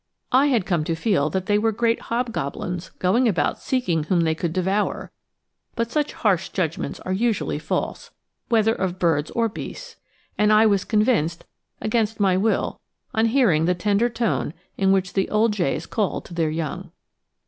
I had come to feel that they were great hobgoblins going about seeking whom they could devour; but such harsh judgments are usually false, whether of birds or beasts, and I was convinced against my will on hearing the tender tone in which the old jays called to their young.